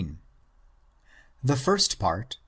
The first part (i.